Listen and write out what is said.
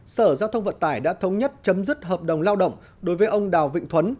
sở giao thông vận tải đã thống nhất chấm dứt hợp đồng lao động đối với ông đào vịnh thuấn